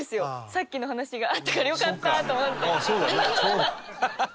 さっきの話があったからよかったと思って。